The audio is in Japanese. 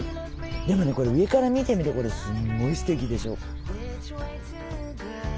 でもねこれ上から見てみるとすごいすてきでしょ。